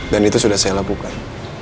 dan itu sudah saya lakukan